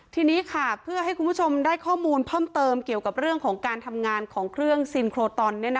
ทีนี้ค่ะเพื่อให้คุณผู้ชมได้ข้อมูลเพิ่มเติมเกี่ยวกับเรื่องของการทำงานของเครื่องซินโครตอน